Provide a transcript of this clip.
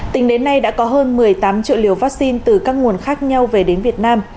tính đến nay đã có hơn một mươi tám triệu liều vaccine từ các nguồn khác nhau về đến việt nam